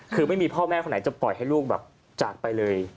คือไม่มีพ่อแม่คนไหนจะปล่อยให้ลูกแบบจากไปเลย